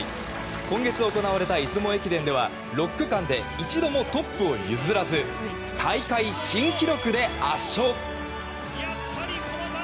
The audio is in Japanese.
今月行われた出雲駅伝では６区間で一度もトップを譲らず大会新記録で圧勝。